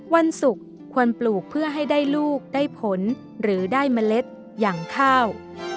วันศุกร์ควรปลูกเพื่อให้ได้ลูกได้ผลหรือได้เมล็ดอย่างข้าว